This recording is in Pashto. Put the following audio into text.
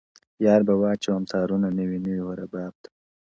یار به واچوم تارونه نوي نوي و رباب ته,